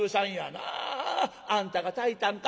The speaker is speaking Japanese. あんたが炊いたんか？